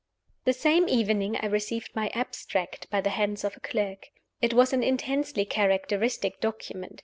The same evening I received my "abstract" by the hands of a clerk. It was an intensely characteristic document.